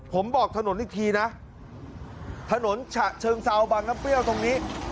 ผมบอกถนนอีกทีนะถนนฉะเชิงเซาบางน้ำเปรี้ยวตรงนี้